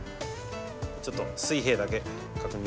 ちょっと水平だけ確認して。